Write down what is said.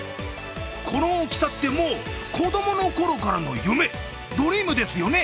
この大きさって、もう子供のころからの夢、ドリームですよね？